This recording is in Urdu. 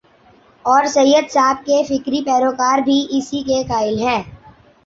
اورسید صاحب کے فکری پیرو کار بھی اسی کے قائل ہیں۔